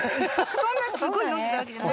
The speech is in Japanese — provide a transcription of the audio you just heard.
そんなすごい飲んでたわけじゃ。